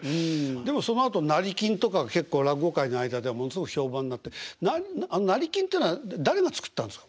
でもそのあと成金とか結構落語界の間でものすごく評判になってあの成金ってのは誰が作ったんですか？